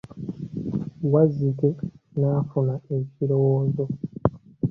Wazzike n'afuna ekirowoozo.